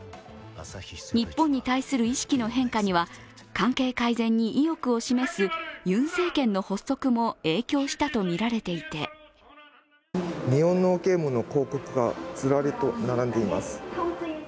日本に対する意識の変化には、関係改善に意欲を示すユン政権の発足も影響したとみられていて日本のゲームの広告がずらりと並んでいます。